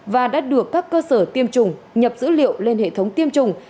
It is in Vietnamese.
và đã được các cơ sở tiêm chủng nhập dữ liệu lên hệ thống tiêm chủng